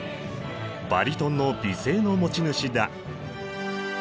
バリトンの美声の持ち主だ！